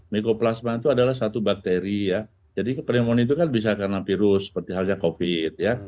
mikroplasma itu adalah satu bakteri ya jadi pneumonia itu kan bisa karena virus seperti halnya covid ya